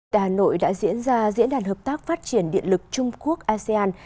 đà nội đã diễn ra diễn đàn hợp tác phát triển điện lực trung quốc asean